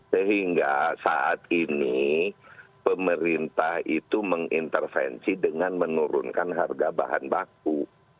sehingga saat ini pemerintah itu mengintervensi dengan menurunkan harga bahan baku